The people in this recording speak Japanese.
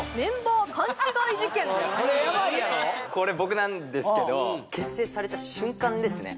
これやばいやろこれ僕なんですけど結成された瞬間ですね